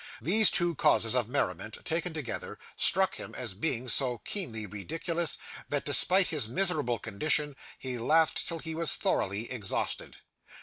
These two causes of merriment, taken together, struck him as being so keenly ridiculous, that, despite his miserable condition, he laughed till he was thoroughly exhausted.